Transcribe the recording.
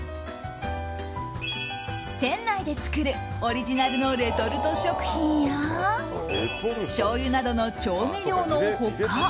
店内で作るオリジナルのレトルト食品やしょうゆなどの調味料の他